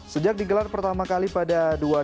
sejak digelar pertama kali pada dua ribu dua